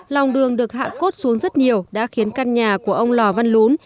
lòng đường được hạ cốt xuống rất nhiều đã khiến căn nhà của ông lò văn lún